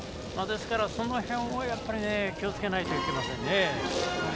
ですから、その辺を気をつけないといけませんね。